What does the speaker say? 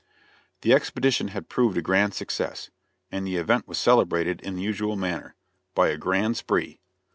The expedition had proved a grand success, and the event was celebrated in the usual manner by a grand spree.